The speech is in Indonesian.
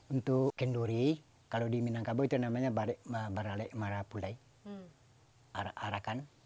untuk kenduri kalau di minangkabau itu namanya barale marapulai arahkan